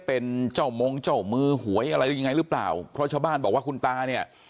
เป็นเจ้ามงเจ้ามือหวยอะไรหรือยังไงหรือเปล่าเพราะชาวบ้านบอกว่าคุณตาเนี่ย